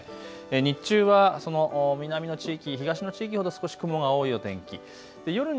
日中はその南の地域、東の地域ほど少し雲が多い天気。